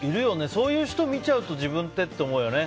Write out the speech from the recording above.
そういう人を見ちゃうと自分ってって思うよね。